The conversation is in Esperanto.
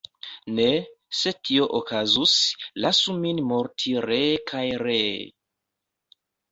Ne, se tio okazus, lasu min morti ree kaj ree."".